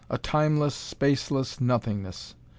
A Timeless, Spaceless Nothingness.